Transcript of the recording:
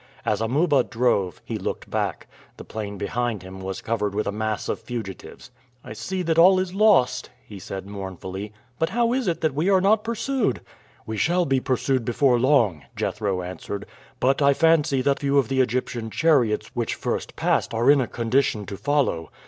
As Amuba drove, he looked back. The plain behind him was covered with a mass of fugitives. "I see that all is lost," he said mournfully. "But how is it that we are not pursued?" "We shall be pursued before long," Jethro answered. "But I fancy that few of the Egyptian chariots which first passed are in a condition to follow.